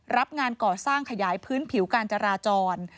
รับงานก่อสร้างขยายพื้นผิวการจราจร